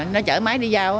nó chở máy đi giao